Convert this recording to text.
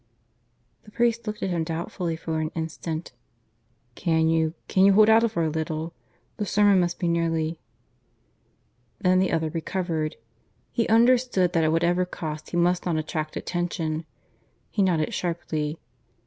The priest looked at him doubtfully for an instant. "Can you ... can you hold out for a little? The sermon must be nearly " Then the other recovered. He understood that at whatever cost he must not attract attention. He nodded sharply.